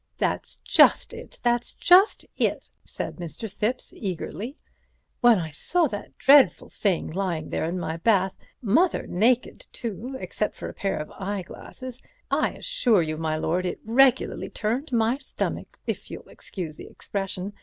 "That's just it, that's just it," said Mr. Thipps, eagerly, "when I saw that dreadful thing lying there in my bath, mother naked, too, except for a pair of eyeglasses, I assure you, my lord, it regularly turned my stomach, if you'll excuse the expression.